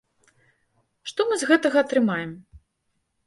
Што мы з гэтага атрымаем?